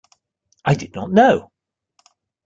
I did not know.